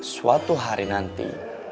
suatu hari nanti